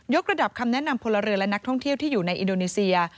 กระดับคำแนะนำพลเรือนและนักท่องเที่ยวที่อยู่ในอินโดนีเซีย